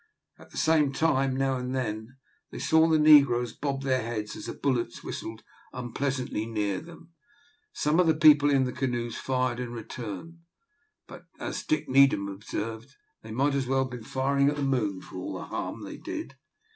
At the same time, now and then, they saw the negroes bob their heads as the bullets whistled unpleasantly near them. Some of the people in the canoes fired in return, but, as Dick Needham observed, they might as well have been firing at the moon for all the harm they did.